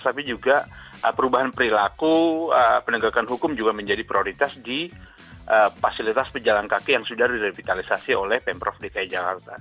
tapi juga perubahan perilaku penegakan hukum juga menjadi prioritas di fasilitas pejalan kaki yang sudah direvitalisasi oleh pemprov dki jakarta